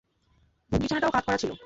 বিছানাটাও কাত করা ছিল।